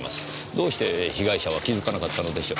どうして被害者は気づかなかったのでしょう？